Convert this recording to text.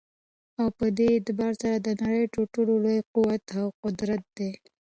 او په دي اعتبار سره دنړۍ تر ټولو لوى قوت او قدرت دى